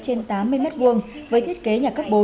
trên tám mươi m hai với thiết kế nhà cấp bốn